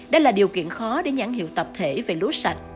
đây là điều kiện khó để nhãn hiệu tập thể về lúa sạch